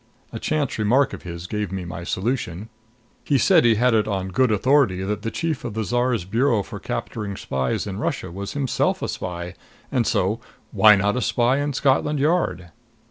A chance remark of his gave me my solution. He said he had it on good authority that the chief of the Czar's bureau for capturing spies in Russia was himself a spy. And so why not a spy in Scotland Yard?